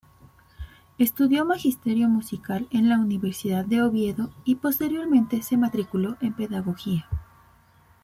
Estudió Magisterio musical en la Universidad de Oviedo y posteriormente se matriculó en Pedagogía.